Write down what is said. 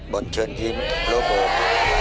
บอลเชิญยิ้มโรเบิร์ตสายควัน